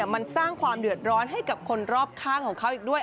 มันสร้างความเดือดร้อนให้กับคนรอบข้างของเขาอีกด้วย